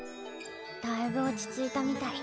だいぶ落ち着いたみたい。